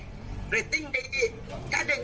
ยังไม่เป็นเยื่อ